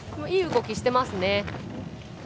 いい動きしてますね。